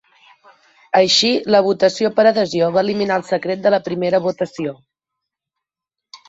Així, la votació per adhesió va eliminar el secret de la primera votació.